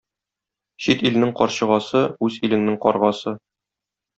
Чит илнең карчыгасы — үз илеңнең каргасы.